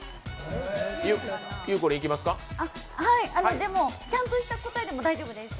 でも、ちゃんとした答えでも大丈夫ですか？